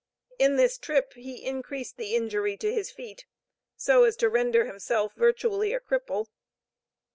In this trip he increased the injury to his feet, so as to render himself virtually a cripple.